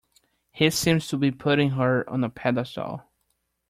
He seems to be putting her on a pedestal.